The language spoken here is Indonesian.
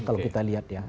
kalau kita lihat ya